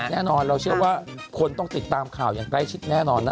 แน่นอนเราเชื่อว่าคนต้องติดตามข่าวอย่างใกล้ชิดแน่นอนนะ